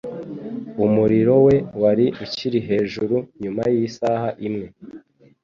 Umuriro we wari ukiri hejuru nyuma yisaha imwe.